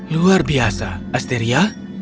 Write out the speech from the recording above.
luar biasa asteria